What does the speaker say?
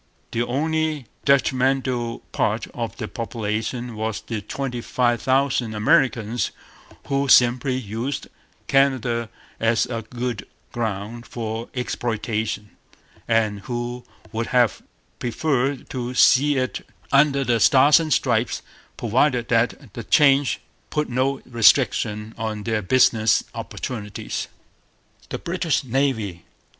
The only detrimental part of the population was the twenty five thousand Americans, who simply used Canada as a good ground for exploitation, and who would have preferred to see it under the Stars and Stripes, provided that the change put no restriction on their business opportunities. The British Navy.